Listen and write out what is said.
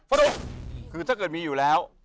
สรุปคือถ้าเกิดมีอยู่แล้ว